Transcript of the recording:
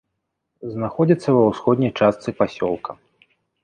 Знаходзіцца ва ўсходняй частцы пасёлка.